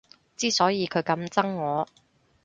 之所以佢咁憎我